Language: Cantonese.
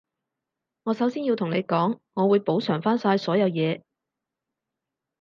我首先要同你講，我會補償返晒所有嘢